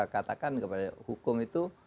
katakan kepada hukum itu